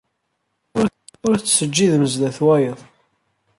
Ur tettseǧǧidem sdat wayeḍ.